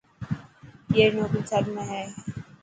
اي ري نوڪري ٿر ۾ هي.